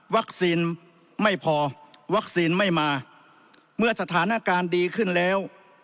ไม่พอวัคซีนไม่มาเมื่อสถานการณ์ดีขึ้นแล้ว